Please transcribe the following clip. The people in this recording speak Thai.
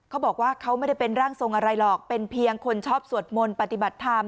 เขาบอกว่าเขาไม่ได้เป็นร่างทรงอะไรหรอกเป็นเพียงคนชอบสวดมนต์ปฏิบัติธรรม